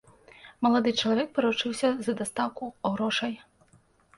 Малады чалавек паручыўся за дастаўку грошай.